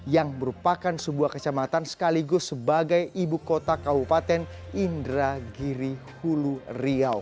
yang merupakan sebuah kecamatan sekaligus sebagai ibu kota kabupaten indragiri hulu riau